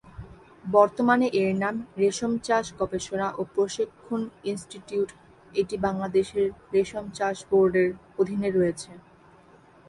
বর্তমানে এর নাম রেশম চাষ গবেষণা ও প্রশিক্ষণ ইনস্টিটিউট, এটি বাংলাদেশ রেশম চাষ বোর্ডের অধীনে রয়েছে।